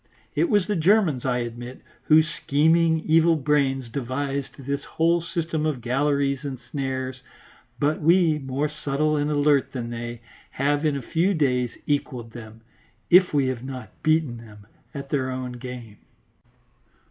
It was the Germans, I admit, whose scheming, evil brains devised this whole system of galleries and snares; but we, more subtle and alert than they, have, in a few days, equalled them, if we have not beaten them, at their own game.